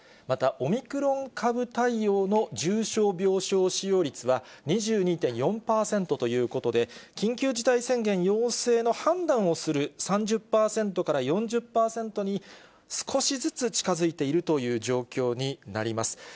またオミクロン株対応の重症病床使用率は、２２．４％ということで、緊急事態宣言要請の判断をする３０％から４０％に、少しずつ近づいているという状況になります。